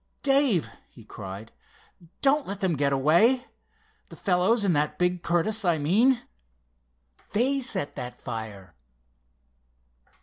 "Dave," he cried, "don't let them get away—the fellows in that big Curtiss, I mean. They set that fire!"